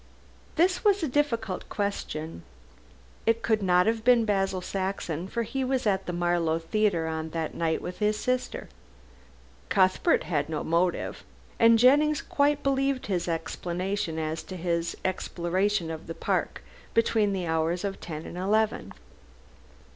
This was a difficult question. It could not have been Basil Saxon, for he was at the Marlow Theatre on that night with his sister. Cuthbert had no motive, and Jennings quite believed his explanation as to his exploration of the park between the hours of ten and eleven.